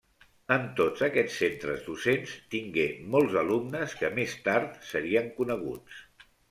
En tots aquests centres docents tingué molts alumnes que més tard serien coneguts.